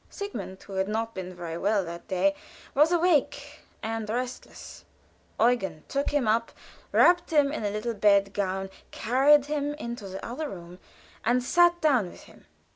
Sigmund, who had not been very well that day, was awake, and restless. Eugen took him up, wrapped him in a little bed gown, carried him into the other room, and sat down with him.